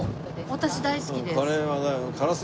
私大好きです。